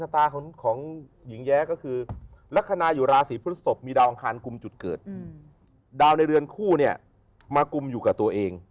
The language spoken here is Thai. แต่ถ้าเป็นของพ่อหมอล่ะ